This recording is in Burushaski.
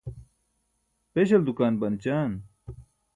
beśal dukaan ban ećaan?